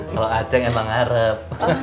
kalau aceh emang ngarep